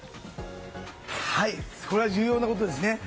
それは重要なことですね。